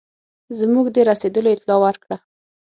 زموږ د رسېدلو اطلاع ورکړه.